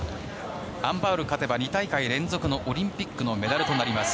アン・バウルが勝てば２大会連続のオリンピックのメダルとなります。